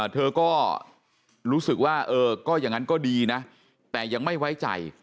เธอก็รู้สึกว่าเออก็อย่างนั้นก็ดีนะแต่ยังไม่ไว้ใจ